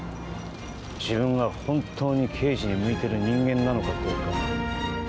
自分が本当に刑事に向いている人間なのかどうか。